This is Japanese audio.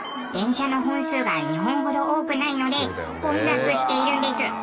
電車の本数が日本ほど多くないので混雑しているんです。